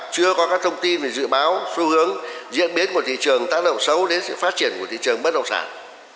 chưa có các thông tin về dự báo xu hướng diễn biến của thị trường tác động xấu đến sự phát triển của thị trường bất động sản